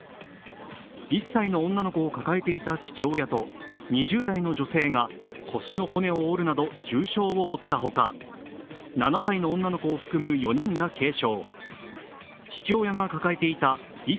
１歳の女の子を抱えていた父親と２０代の女性が腰の骨を折るなどの重傷を負ったほか、７歳の女の子を含む４人が軽傷。